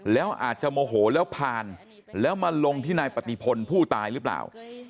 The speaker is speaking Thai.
แล้วอาจจะโมโหแล้วผ่านแล้วมาลงที่นายปฏิพลผู้ตายหรือเปล่า